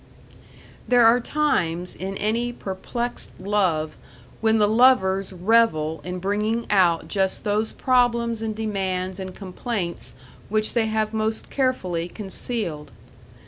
There are times in any perplexed love when the lovers revel in bringing out just those problems and demands and complaints which they have most carefully concealed.